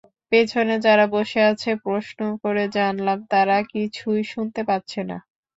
পেছনে যারা বসে আছে প্রশ্ন করে জানলাম, তারা কিছুই শুনতে পাচ্ছে না।